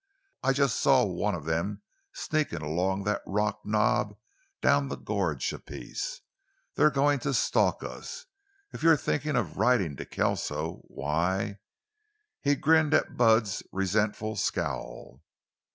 I just saw one of them sneaking along that rock knob, down the gorge a piece. They're going to stalk us. If you're thinking of riding to Kelso—why—" He grinned at Bud's resentful scowl.